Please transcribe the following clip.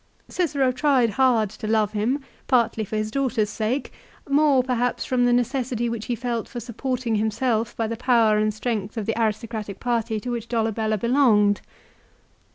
Cicero tried hard to love him, partly for his daughter's sake, more perhaps from the necessity which he felt for supporting himself by the power and strength of the aristocratic party to which Dolabella belonged.